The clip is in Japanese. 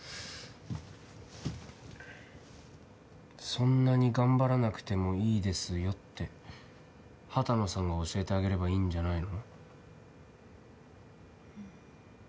そんなに頑張らなくてもいいですよって畑野さんが教えてあげればいいんじゃないの？